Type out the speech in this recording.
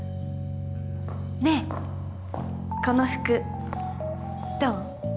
ねえこの服どう？